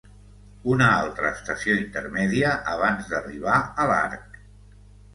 Una altra estació intermèdia abans d’arribar a l’arc.